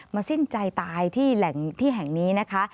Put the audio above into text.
มาสิ้นใจตายที่แห่งนี้นะคะ